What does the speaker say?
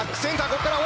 ここから。